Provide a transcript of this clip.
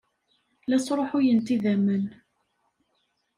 La sṛuḥuyent idammen.